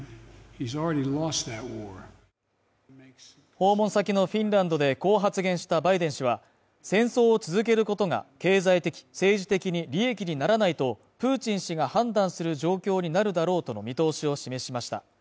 訪問先のフィンランドでこう発言したバイデン氏は、戦争を続けることが、経済的、政治的に利益にならないと、プーチン氏が判断する状況になるだろうとの見通しを示しました。